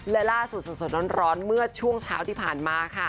และล่าสุดสดร้อนเมื่อช่วงเช้าที่ผ่านมาค่ะ